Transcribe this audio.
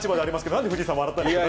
なんで藤井さん、笑ったんですか？